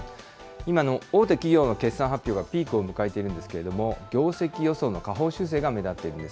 今、大手企業の決算発表がピークを迎えているんですけれども、業績予想の下方修正が目立っているんです。